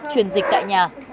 truyền dịch tại nhà